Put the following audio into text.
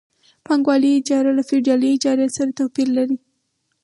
پانګوالي اجاره له فیوډالي اجارې سره توپیر لري